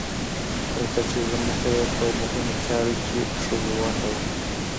بنسټيزه موخه يې په مهمو چارو کې د ښځو ونډه وه